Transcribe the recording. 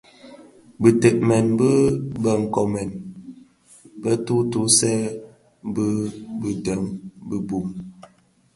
Bitenmen bi bë nkomèn ntutusèn dhi biden bi bum,